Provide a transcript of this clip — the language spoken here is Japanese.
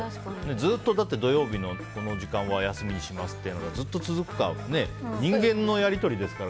ずっと土曜日のこの時間は休みにしますっていうのがずっと続くと人間のやり取りですから。